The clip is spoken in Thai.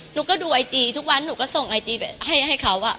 หนูก็ดูไอจีทุกวันหนูก็ส่งไอจีไปให้เขา